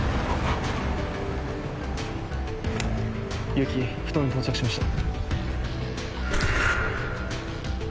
結城埠頭に到着しました。